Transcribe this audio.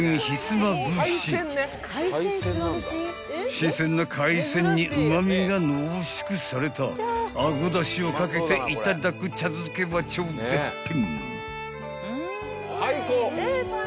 ［新鮮な海鮮にうま味が濃縮されたアゴだしを掛けていただく茶漬けは超絶品］